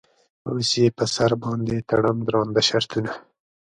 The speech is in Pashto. اوس یې په سر باندې تړم درانده شرطونه.